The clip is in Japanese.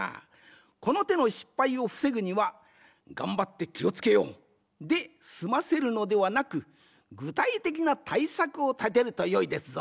このての失敗をふせぐには「がんばってきをつけよう！」ですませるのではなくぐたいてきなたいさくをたてるとよいですぞ。